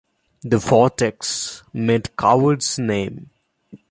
"The Vortex" made Coward's name.